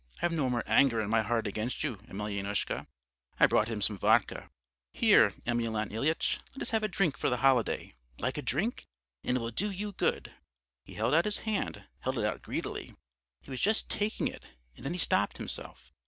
I've no more anger in my heart against you, Emelyanoushka!' I brought him some vodka. 'Here, Emelyan Ilyitch, let us have a drink for the holiday. Like a drink? And it will do you good.' He held out his hand, held it out greedily; he was just taking it, and then he stopped himself.